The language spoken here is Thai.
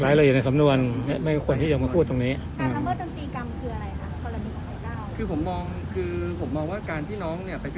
หลายละเอียดในสำนวนเนี้ยไม่ควรที่จะมาพูดตรงนี้คือผมมองคือผมมองว่าการที่น้องเนี้ยไป